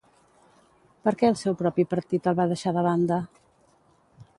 Per què el seu propi partit el va deixar de banda?